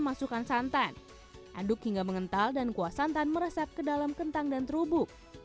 masukkan santan aduk hingga mengental dan kuah santan meresap ke dalam kentang dan terubuk